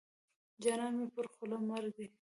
جانان مې پر خوله مړ دی.